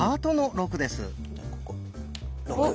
６。